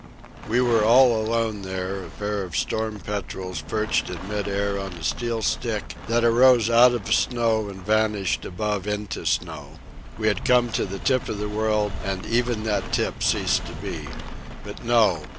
We were all alone there, a pair of storm petrels perched in mid air on a steel stick that arose out of snow and that vanished above into snow. We had come to the tip of the world, and even that tip had ceased to be. But no.